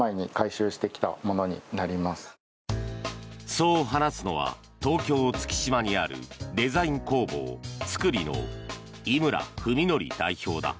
そう話すのは東京・月島にあるデザイン工房ツクリの井村文紀代表だ。